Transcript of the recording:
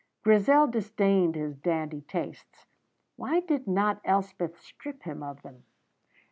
Grizel disdained his dandy tastes; why did not Elspeth strip him of them?